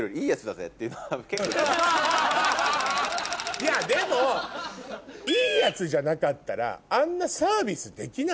いやでもいいヤツじゃなかったらあんなサービスできない。